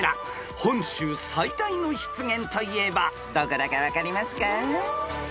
［本州最大の湿原といえばどこだか分かりますか？］